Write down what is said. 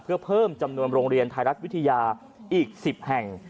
เพื่อเพิ่มจำนวนโรงเรียนไทยรัฐวิทยาอีก๑๐แห่ง